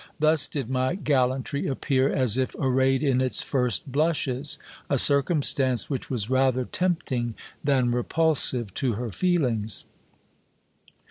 Thus did my gal lantry appear as if arrayed in its first blushes ; a circumstance which was rather tempting than repulsive to her feelings.